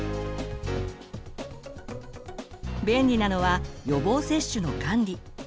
便利なのは予防接種の管理。